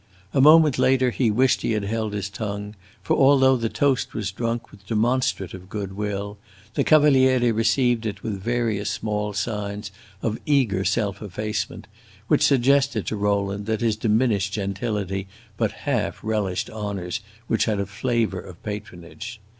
A moment later he wished he had held his tongue, for although the toast was drunk with demonstrative good will, the Cavaliere received it with various small signs of eager self effacement which suggested to Rowland that his diminished gentility but half relished honors which had a flavor of patronage.